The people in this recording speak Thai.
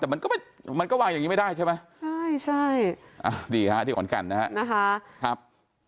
แต่มันก็วางอย่างนี้ไม่ได้ใช่ไหมใช่ดีฮะที่อ่อนกันนะฮะครับ